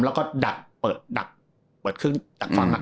แล้วก็ดักเปิดดักเปิดเครื่องดักฟัง